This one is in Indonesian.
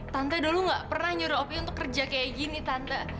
tante dulu gak pernah nyuruh opi untuk kerja kayak gini tante